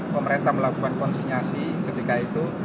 pemerintah melakukan konsinyasi ketika itu